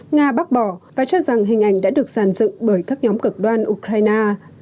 nga bác bỏ và cho rằng hình ảnh đã được giàn dựng bởi các nhóm cực đoan ukraine